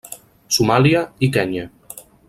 Somàlia i Kenya.